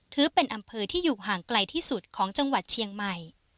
ถือเป็นอำเภอที่อยู่ห่างไกลที่สุดของจังหวัดเชียงใหม่